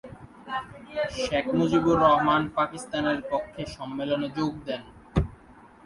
শেখ মুজিবুর রহমান পাকিস্তানের পক্ষে সম্মেলনে যোগ দেন।